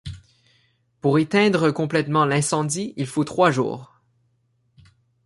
Pour éteindre complètement l'incendie il faut trois jours.